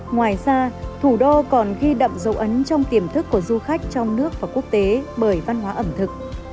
ngoài ra thủ đô còn ghi đậm dấu ấn trong tiềm thức của du khách trong nước và quốc tế bởi văn hóa ẩm thực